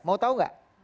mau tahu gak